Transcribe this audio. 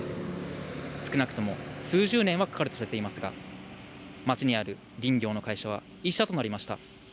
少なくとも数十年はかかるとされていますが、町にある林業の会社は１社となりました。